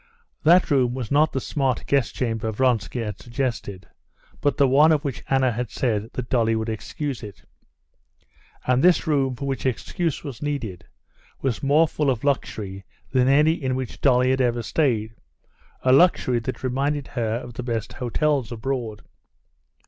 That room was not the smart guest chamber Vronsky had suggested, but the one of which Anna had said that Dolly would excuse it. And this room, for which excuse was needed, was more full of luxury than any in which Dolly had ever stayed, a luxury that reminded her of the best hotels abroad.